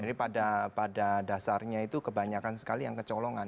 jadi pada dasarnya itu kebanyakan sekali yang kecolongan